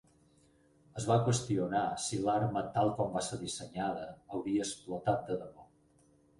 Es va qüestionar si l'arma tal com va ser dissenyada hauria explotat de debò.